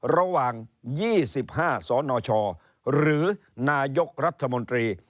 ระหว่าง๒๕สนชหรือนายกรัฐมนตรี